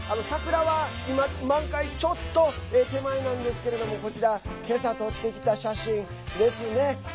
桜は今満開ちょっと手前なんですけどもこちら、けさ撮ってきた写真ですね。